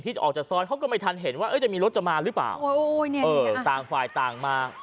ที่จะออกจากซ้อยเขาก็ไม่ทันเห็นว่าจะมีรถจะมาหรือเปล่าต่างไฟน์ต่างมา